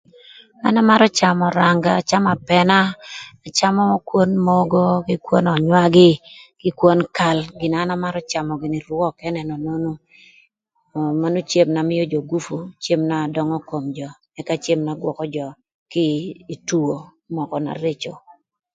An amarö camö öranga acamö apëna, acamö kwon mogo kï kwon önywagï kï kwon kal gina an amarö camö gïnï rwök enononu manön cem na mïö jö gupu, cem na döngö kom jö ëka cem na gwökö jö kï ï two mökö na reco.